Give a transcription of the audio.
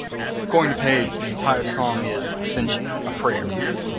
According to Page the entire song is, essentially, a prayer.